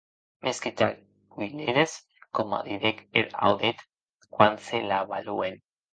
Mès que tard piulères, coma didec er audèth quan se l’avalauen.